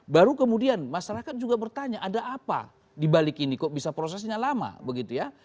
baru kemudian masyarakat juga bertanya ada apa dibalik ini kok bisa prosesnya lama begitu ya